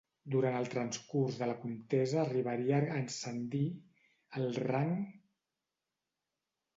Durant el transcurs de la contesa arribaria a ascendir al rang de tinent coronel.